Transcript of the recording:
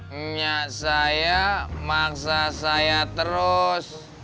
enggak saya maksa saya terus